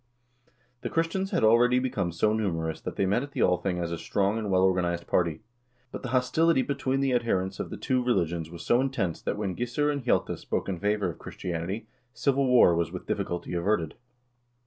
The Christians had already become so numerous that they met at the Althing as a strong and well organized party. But the hostility between the adherents of the two religions was so intense that when Gissur and Hjalte spoke in favor of Chris tianity, civil war was with difficulty averted.